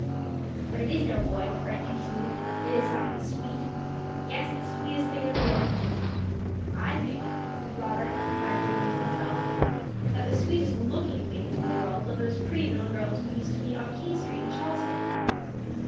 "But it is no boy," Frank continued; "it is something sweet. Guess the sweetest thing in the world." "I think," said Robert, inclined to amuse himself, "that the sweetest looking things in the world are those pretty little girls we used to meet on King Street, in Charleston."